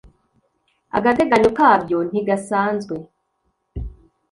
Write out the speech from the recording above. agateganyo kabyo ntigasanzwe.